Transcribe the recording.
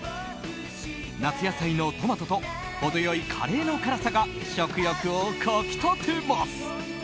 夏野菜のトマトと程良いカレーの辛さが食欲をかき立てます。